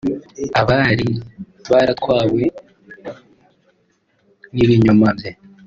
Abari baratwawe n’ibinyoma bye